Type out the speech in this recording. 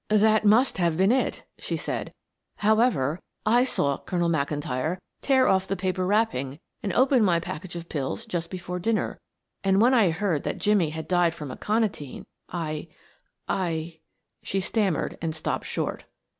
"That must have been it," she said. "However, I saw Colonel McIntyre tear off the paper wrapping and open my package of pills just before dinner, and when I heard that Jimmie had died from aconitine I I " she stammered and stopped short.